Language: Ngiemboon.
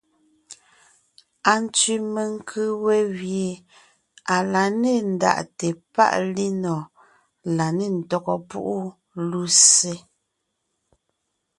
Antsẅì menkʉ̀ we gẅie à la nê ndaʼte páʼ linɔ̀ɔn la nê ntɔ́gɔ púʼu lussé.